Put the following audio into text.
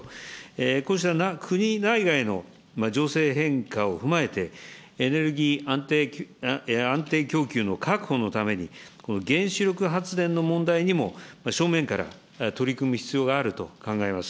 こうした国内外の情勢変化を踏まえて、エネルギー安定供給の確保のために、この原子力発電の問題にも正面から取り組む必要があると考えます。